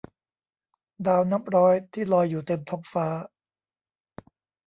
ดาวนับร้อยที่ลอยอยู่เต็มท้องฟ้า